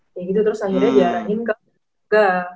kayak gitu terus akhirnya diarahin ke keluarga